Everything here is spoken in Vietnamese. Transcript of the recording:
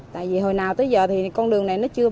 tại vì hồi nào tới giờ thì con đường này nó chưa